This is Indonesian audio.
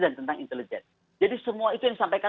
dan tentang intelijen jadi semua itu yang disampaikan